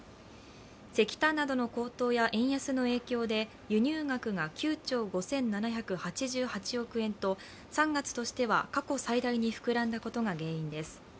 石炭などの高騰や円安の影響で輸入額が９兆５７８８億円と３月としては過去最大に膨らんだことが原因です。